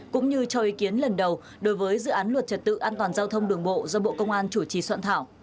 cũng như cho ý kiến lần đầu đối với dự án luật trật tự an toàn giao thông đường bộ do bộ công an chủ trì soạn thảo